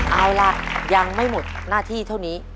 เอาล่ะยังไม่หมดหน้าที่เท่านี้